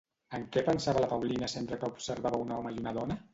En què pensava la Paulina sempre que observava un home i una dona?